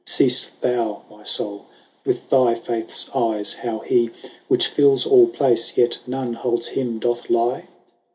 Seeft thou, my Soule, with thy faiths eyes, how he Which fils all place, yet none holds him, doth lye?